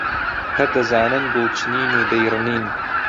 هەر دەزانن گوڵ چنین و بەی ڕنین